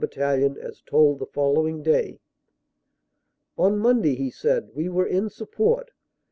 Battalion, as told the following day. "On Monday," he said, "we were in support.